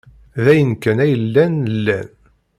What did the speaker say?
D ayen kan ay llan lan.